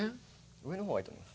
上のほうがいいと思います。